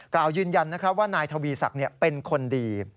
กล่าวยืนยันว่านายทวีศักดิ์เป็นคนดี